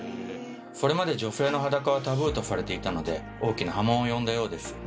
それまで女性の裸はタブーとされていたので大きな波紋を呼んだようです。